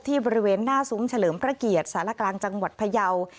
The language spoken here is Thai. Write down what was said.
ที่บริเวณหน้าศูนย์เฉลิมพระเกียรติสารกลางจังหวัดพระเยาว์